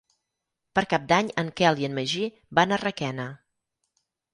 Per Cap d'Any en Quel i en Magí van a Requena.